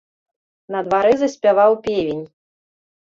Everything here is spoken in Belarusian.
На дварэ заспяваў певень.